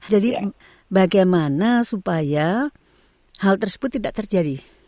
jadi bagaimana supaya hal tersebut tidak terjadi